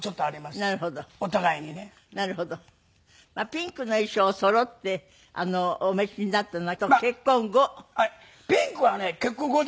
ピンクの衣装をそろってお召しになったのは結婚後？